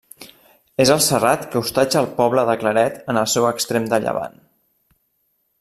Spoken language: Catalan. És el serrat que hostatja el poble de Claret en el seu extrem de llevant.